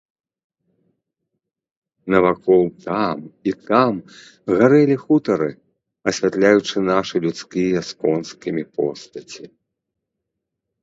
Навакол там і там гарэлі хутары, асвятляючы нашы, людскія з конскімі, постаці.